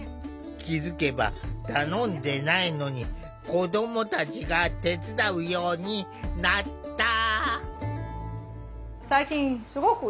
気付けば頼んでないのに子どもたちが手伝うようになった。